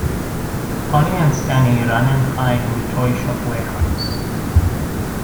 Ollie and Stannie run and hide in the toy shop warehouse.